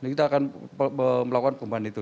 kita akan melakukan perubahan itu